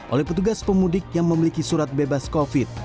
oleh petugas pemudik yang memiliki surat bebas covid